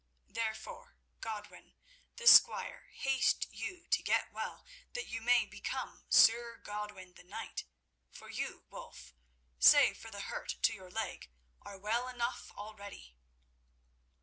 Therefore, Godwin, the squire, haste you to get well that you may become Sir Godwin the knight; for you, Wulf, save for the hurt to your leg, are well enough already."